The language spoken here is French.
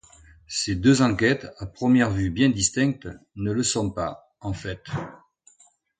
Ces deux enquêtes à première vue bien distinctes ne le sont pas, en fait.